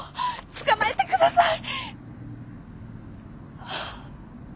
捕まえてください！